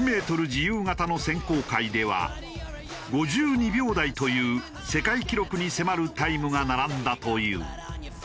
自由形の選考会では５２秒台という世界記録に迫るタイムが並んだという。